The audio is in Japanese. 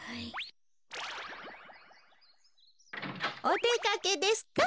おでかけですか？